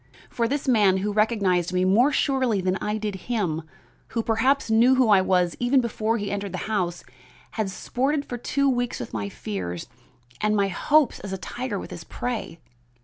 For this man, who recognized me more surely than I did him, who perhaps knew who I was before he ever entered my house, has sported for two weeks with my fears and hopes as a tiger with his prey.